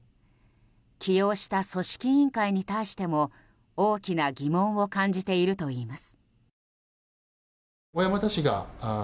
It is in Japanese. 起用した組織委員会に対しても大きな疑問を感じているといいます。